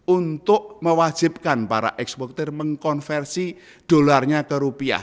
untuk mewajibkan para eksportir mengkonversi dolarnya ke rupiah